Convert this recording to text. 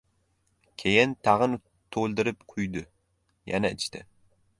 Keyin tag‘in to‘ldirib quydi, yana ichdi.